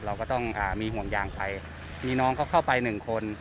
เราก็ต้องมีห่วงยางไปมีน้องเขาเข้าไปหนึ่งคน